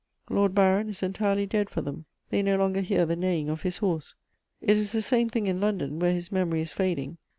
Lord Byron is entirely dead for them; they no longer hear the neighing of his horse: it is the same thing in London, where his memory is fading.